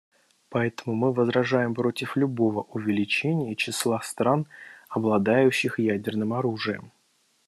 Поэтому мы возражаем против любого увеличения числа стран, обладающих ядерным оружием.